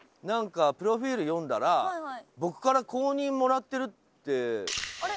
プロフィル読んだら僕から公認もらってるって。